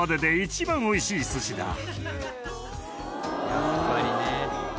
やっぱりね。